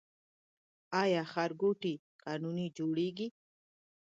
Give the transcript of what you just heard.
آیا ښارګوټي قانوني جوړیږي؟